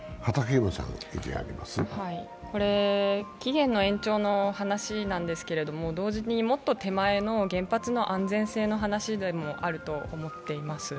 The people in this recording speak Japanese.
これ、期限の延長の話なんですけど、もっと手前の原発の安全性の話でもあると思っています。